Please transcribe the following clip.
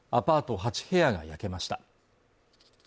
８部屋が焼けました